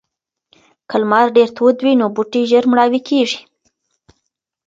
که لمر ډیر تود وي نو بوټي ژر مړاوي کیږي.